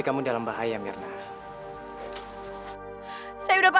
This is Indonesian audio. kalau lo mau anak ini selamat